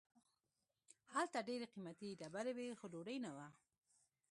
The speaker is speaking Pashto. هلته ډیر قیمتي ډبرې وې خو ډوډۍ نه وه.